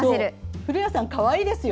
古谷さん、かわいいですよ。